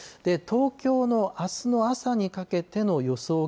東京のあすの朝にかけての予想